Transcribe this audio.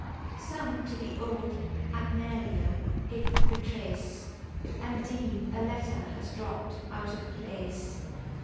350 Some to the old Agnalia it retrace, And deem a letter has dropped out of place.